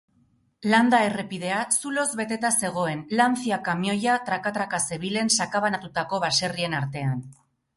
Landa-errepidea zuloz beteta zegoen, Lancia kamioia traka-traka zebilen sakabanatutako baserrien artean.